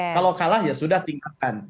kalau kalah ya sudah tingkatkan